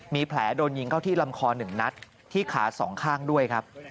มีแผลโดนยิงเข้าที่ลำคอ๑นัดที่ขา๒ข้างด้วยครับ